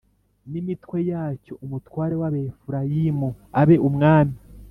n imitwe yacyo umutware w Abefurayimu abe umwami